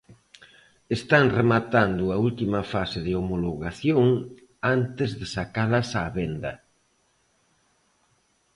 Están rematando a última fase de homologación antes de sacalas á venda.